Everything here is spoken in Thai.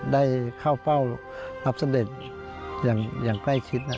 ได้เข้าเฝ้ารับเสด็จอย่างใกล้ชิด